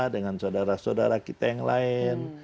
dengan saudara saudara kita yang lain